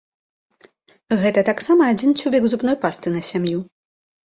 Гэта таксама адзін цюбік зубной пасты на сям'ю.